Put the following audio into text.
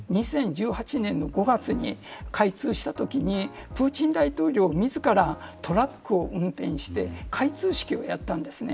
２０１８年の５月に開通したときにプーチン大統領自らトラックを運転して開通式をやったんです。